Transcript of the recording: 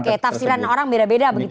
oke tafsiran orang beda beda begitu